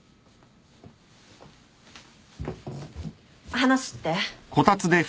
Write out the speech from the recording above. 話って？